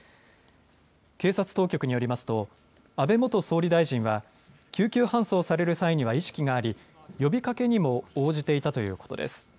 警察当局によりますと安倍元総理大臣は救急搬送される際には意識があり、呼びかけにも応じていたということです。